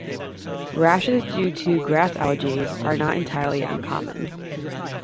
Rashes due to grass allergies are not entirely uncommon.